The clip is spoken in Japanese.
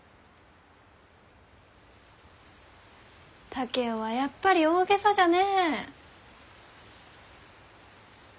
竹雄はやっぱり大げさじゃねえ。